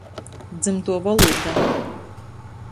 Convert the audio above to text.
Dzymtuo volūda.